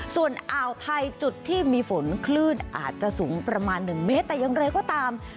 ส่วนอ่าวไทยจุดที่มีฝนคลื่นอาจจะสูงประมาณ๑เมตรแต่อย่างไรก็ตาม